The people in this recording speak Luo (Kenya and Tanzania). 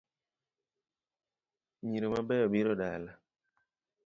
Nyiro mabeyo biro dala